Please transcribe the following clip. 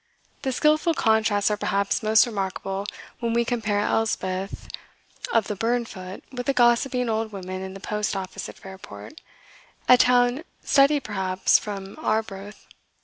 The skilful contrasts are perhaps most remarkable when we compare Elspeth of the Burnfoot with the gossiping old women in the post office at Fairport, a town studied perhaps from Arbroath.